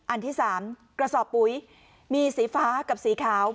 อันที่๓กระสอบปุ๋ยมีสีฟ้ากับสีขาว